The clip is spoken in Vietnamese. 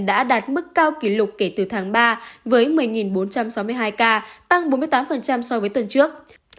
đã đạt mức cao kỷ lục kể từ tháng ba với một mươi bốn trăm sáu mươi hai ca tăng bốn mươi tám so với tuần trước